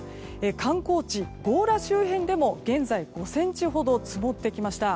観光地・強羅周辺でも現在５ｃｍほど積もってきました。